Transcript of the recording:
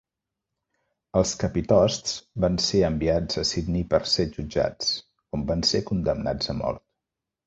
Els capitosts van ser enviats a Sydney per ser jutjats, on van ser condemnats a mort.